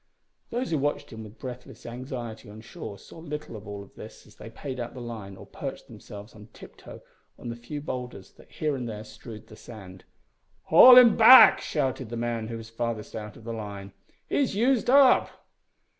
Those who watched him with breathless anxiety on shore saw little of all this as they paid out the line or perched themselves on tiptoe on the few boulders that here and there strewed the sand. "Haul him back!" shouted the man who was farthest out on the line. "He's used up!"